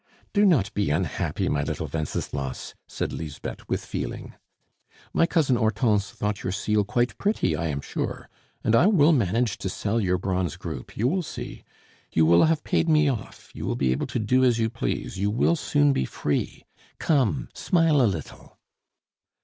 "Do not be unhappy, my little Wenceslas," said Lisbeth with feeling. "My cousin Hortense thought your seal quite pretty, I am sure; and I will manage to sell your bronze group, you will see; you will have paid me off, you will be able to do as you please, you will soon be free. Come, smile a little!"